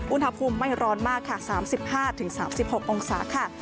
อุณหภูมิไม่ร้อนมากค่ะสามสิบห้าถึงสามสิบหกองศาค่ะ